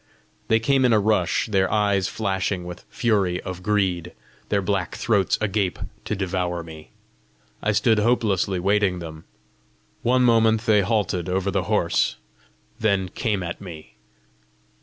They came in a rush, their eyes flashing with fury of greed, their black throats agape to devour me. I stood hopelessly waiting them. One moment they halted over the horse then came at me.